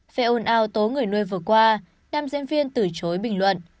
phe ồn ào tố người nuôi vừa qua nam diễn viên từ chối bình luận